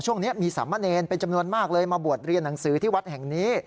ช่วงนี้มีสามเณรเป็นจำนวนมากเลยมาบวชเรียนหนังสือที่วัดแห่งนี้